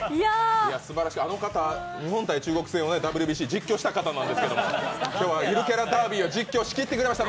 すばらしい、あの方、日本×中国戦を実況してくれた人なんですけど今日はゆるキャラダービーを実況しきってくれました。